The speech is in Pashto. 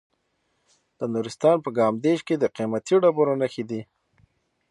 د نورستان په کامدیش کې د قیمتي ډبرو نښې دي.